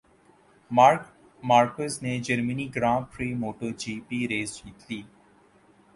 mark Marquez نے Germany Grand Prix motto جی پی race جیت لی